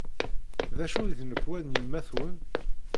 D acu i d nnekwa n yemma-twen?